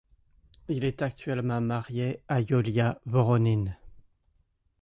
Il est actuellement marié à Yulia Voronin.